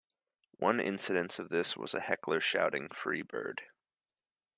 One incidence of this was a heckler shouting Free Bird!